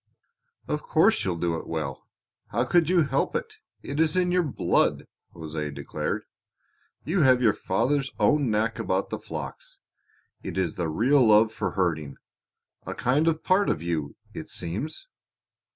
"Of course you'll do it well how could you help it! It is in your blood," José declared. "You have your father's own knack about the flocks. It is the real love for herding a kind of part of you, it seems."